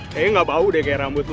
kayaknya gak bau deh kayak rambut lo